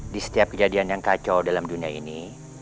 di setiap kejadian yang kacau dalam dunia ini